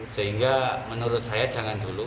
sehingga menurut saya jangan dulu